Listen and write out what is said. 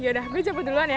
yaudah gue coba duluan ya